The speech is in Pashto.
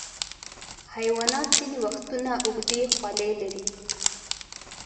حیوانات ځینې وختونه اوږدې خولۍ لري.